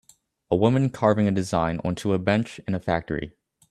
A woman carving a design onto a bench in a factory